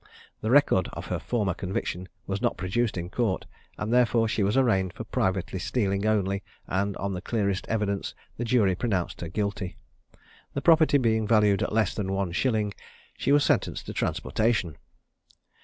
The record of her former conviction was not produced in court, and therefore she was arraigned for privately stealing only, and, on the clearest evidence, the jury pronounced her guilty. The property being valued at less than one shilling, she was sentenced to transportation.